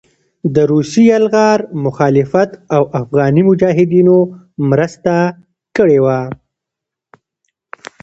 د روسي يلغار مخالفت او افغاني مجاهدينو مرسته کړې وه